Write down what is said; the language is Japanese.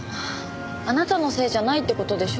あなたのせいじゃないって事でしょ？